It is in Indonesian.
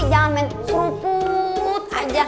jangan main seruput aja